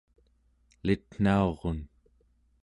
elitnaurun